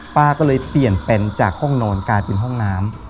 ป้าก็เลยเปลี่ยนเป็นจากห้องนอนกลายเป็นห้องน้ำ